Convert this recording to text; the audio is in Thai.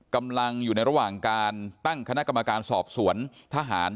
กำลังอยู่ในระหว่างการตั้งคณะกรรมการสอบสวนทหาร